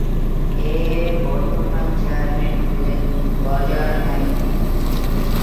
এর বর্তমান চেয়ারম্যান হলেন রজার নাইট।